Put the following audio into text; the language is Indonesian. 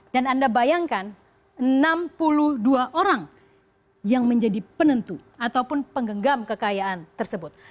dan anda bayangkan enam puluh dua orang yang menjadi penentu ataupun penggenggam kekayaan tersebut